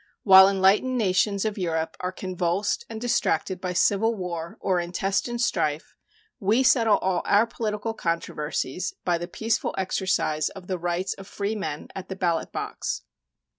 While enlightened nations of Europe are convulsed and distracted by civil war or intestine strife, we settle all our political controversies by the peaceful exercise of the rights of freemen at the ballot box.